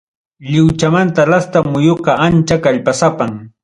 Lliwchamanta lasta muyuqa ancha kallpasapam.